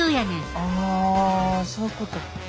あそういうこと。